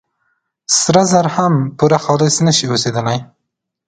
سره زر هم پوره خالص نه شي اوسېدلي.